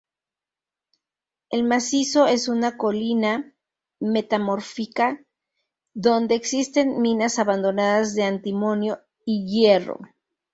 El macizo es una colina metamórfica donde existen minas abandonadas de antimonio y hierro.